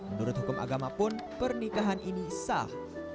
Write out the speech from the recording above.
menurut hukum agama pun pernikahan ini sah